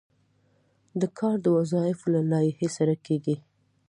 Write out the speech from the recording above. دا کار د وظایفو له لایحې سره کیږي.